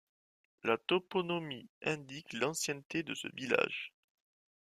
La toponymie indique l'ancienneté de ce village.